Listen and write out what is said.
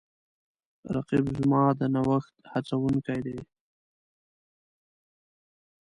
رقیب زما د نوښت هڅونکی دی